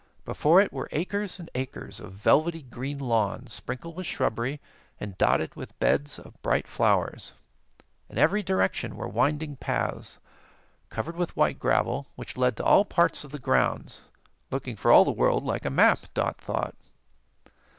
Before it were acres and acres of velvety green lawn, sprinkled with shrubbery and dotted with beds of bright flowers. In every direction were winding paths, covered with white gravel, which led to all parts of the grounds, looking for all the world like a map, Dot thought.